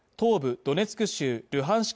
ドネツク州ルハンスク